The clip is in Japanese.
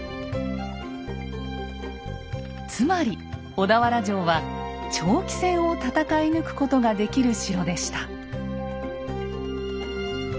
つまり小田原城は長期戦を戦い抜くことができる城でした。